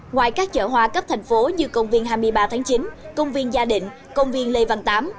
ngoài các chợ hoa cấp thành phố như công viên hai mươi ba tháng chín công viên gia định công viên lê văn tám